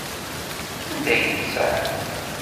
Anda yensa?